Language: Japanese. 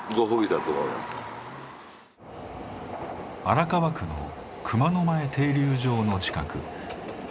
荒川区の熊野前停留場の近く。